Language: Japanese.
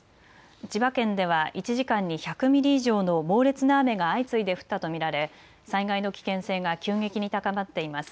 千葉県では１時間に１００ミリ以上の猛烈な雨が相次いで降ったと見られ災害の危険性が急激に高まっています。